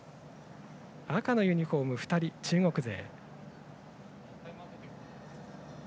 赤のユニフォーム２人中国勢。